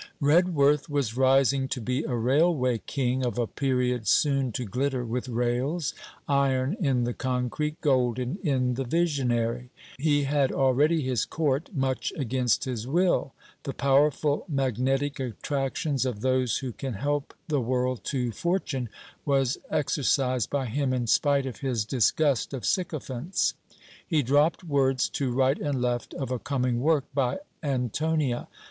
Redworth was rising to be a Railway King of a period soon to glitter with rails, iron in the concrete, golden in the visionary. He had already his Court, much against his will. The powerful magnetic attractions of those who can help the world to fortune, was exercised by him in spite of his disgust of sycophants. He dropped words to right and left of a coming work by ANTONIA.